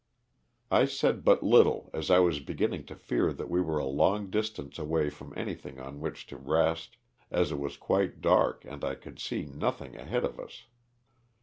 I said but little as I was beginning to fear that we were a long distance away from anything on which to rest, as it was quite dark and I could see nothing ahead of us.